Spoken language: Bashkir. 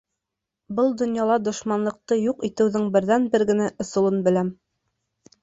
Был донъяла дошманлыҡты юҡ итеүеҙең берҙән-бер генә ысулын беләм.